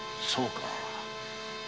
そうか。